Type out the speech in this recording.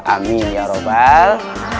amin ya rabbal